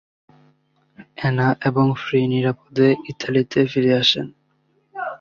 Anna এবং ফ্রি নিরাপদে ইতালিতে ফিরে আসেন।